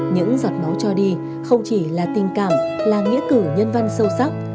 những giọt máu cho đi không chỉ là tình cảm là nghĩa cử nhân văn sâu sắc